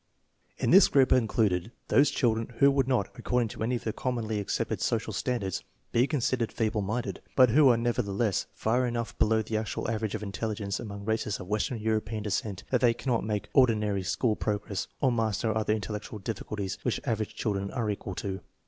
In this group are included those children who would not, according to any of the commonly accepted social standards, be considered feeble minded, but who are nevertheless far enough below the actual average of intelligence among races of western European descent that they cannot make ordinary school progress or master other intellectual difficulties which average children are equal to.